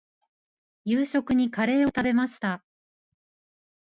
夕食にカレーを食べました。